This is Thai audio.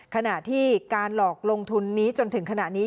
ขณะที่การหลอกลงทุนนี้จนถึงขณะนี้